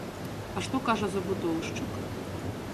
А што кажа забудоўшчык?